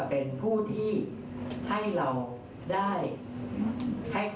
เป็นผู้ที่ให้เราได้ให้